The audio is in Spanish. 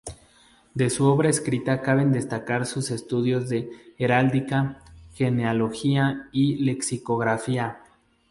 De su obra escrita caben destacar sus estudios de Heráldica, Genealogía y Lexicografía.